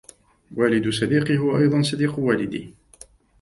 والد صديقي هو ايضاً صديق والدي.